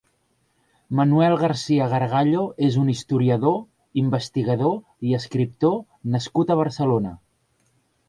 Manuel García Gargallo és un historiador, investigador i escriptor nascut a Barcelona.